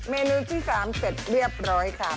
เมนูที่๓เสร็จเรียบร้อยค่ะ